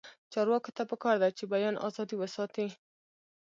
چارواکو ته پکار ده چې، بیان ازادي وساتي.